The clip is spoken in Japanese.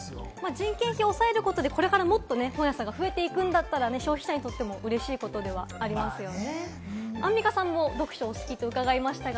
人件費を抑えることでこれからもっと本屋さんが増えていくんだったら、消費者にとってもうれしいことではありますよね。